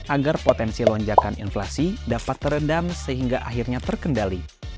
agar potensi lonjakan inflasi dapat terendam sehingga akhirnya terkendali